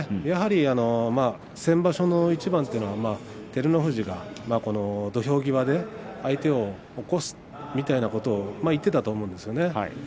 やはり先場所の一番というのは照ノ富士が土俵際で相手を起こすみたいなことを言っていたと思うんですね